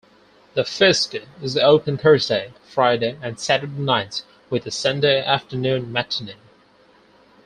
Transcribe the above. The Fiske is open Thursday, Friday, and Saturday nights, with a Sunday-afternoon matinee.